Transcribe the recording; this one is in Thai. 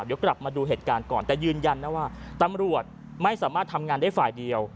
เดี๋ยวกลับมาดูเหตุการณ์ก่อนแต่ยืนยันนะว่าตำรวจไม่สามารถทำงานได้ฝ่ายเดียว